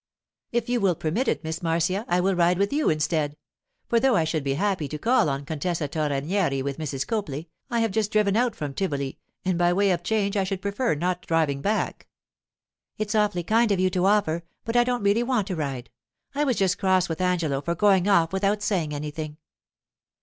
'If you will permit it. Miss Marcia, I will ride with you instead; for though I should be happy to call on Contessa Torrenieri with Mrs. Copley, I have just driven out from Tivoli, and by way of change I should prefer not driving back.' 'It's awfully kind of you to offer, but I don't really want to ride. I was just cross with Angelo for going off without saying anything.